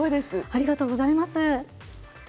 ありがとうございます。